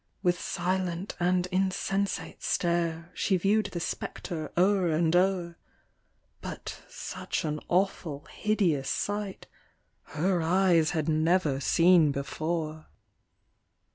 With silent and insensate stare, She view'd the spectre o'er and o'er, But such an awful hideous sight Her eyes had never seen before.